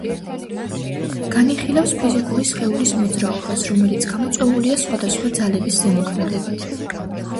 განიხილავს ფიზიკური სხეულის მოძრაობას, რომელიც გამოწვეულია სხვადასხვა ძალების ზემოქმედებით.